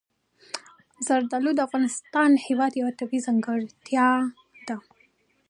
زردالو د افغانستان هېواد یوه طبیعي ځانګړتیا ده.